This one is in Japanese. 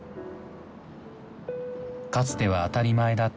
かつては当たり前だった